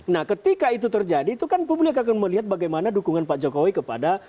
nah ketika itu terjadi itu kan publik akan melihat bagaimana dukungan pak jokowi kepada